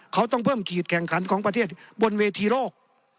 เขาต้องเพิ่มขีดแข่งขันของประเทศบนเวทีโลก